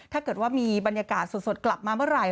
ถ้าเกิดว่ามีบรรยากาศสดกลับมาเมื่อไหร่